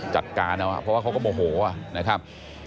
จัดการแล้วครับเพราะว่าเขาก็โมโหอ่ะนะครับ